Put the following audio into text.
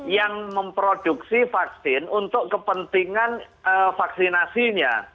yang memproduksi vaksin untuk kepentingan vaksinasinya